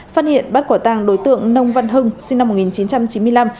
phát hiện bắt quả tàng đối tượng nông văn hưng sinh năm một nghìn chín trăm chín mươi năm